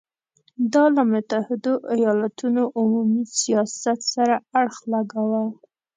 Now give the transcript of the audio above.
دا له متحدو ایالتونو عمومي سیاست سره اړخ لګاوه.